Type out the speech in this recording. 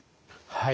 はい。